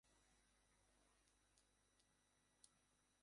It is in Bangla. দেবতাদের স্বর্ণ মন্দিরের সম্মানে তোমার কাপড় ফেরত দেওয়া হলো।